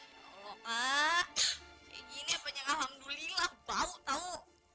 kalau pak kayak gini apa yang alhamdulillah bau tau